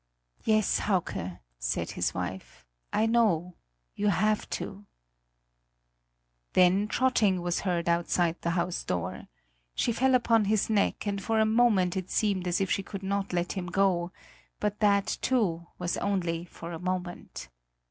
"Yes, Hauke," said his wife, "I know you have to!" Then trotting was heard outside the house door. She fell upon his neck, and for a moment it seemed as if she could not let him go; but that, too, was only for a moment.